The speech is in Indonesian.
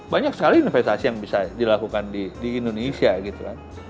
banyak sekali investasi yang bisa dilakukan di indonesia gitu kan